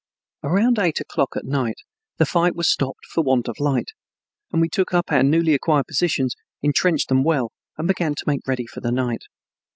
Around eight o'clock at night the fight was stopped for want of light, and we took up our newly acquired positions, entrenched them well, and began to make ready for the night.